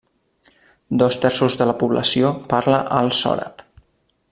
Dos terços de la població parla alt sòrab.